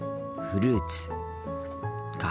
フルーツか。